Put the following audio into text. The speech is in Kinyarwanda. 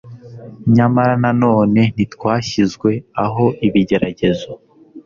nyamara na none ntitwashyizwe aho ibigeragezo